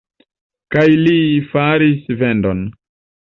Kaj vi faris vendon.